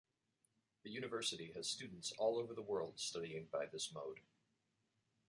The University has students all over the world studying by this mode.